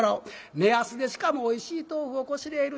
値安でしかもおいしい豆腐をこしれえる